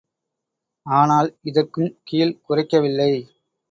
ஆனால் இதற்குங் கீழ்க் குறைக்கவில்லை.